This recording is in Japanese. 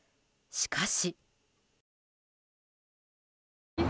しかし。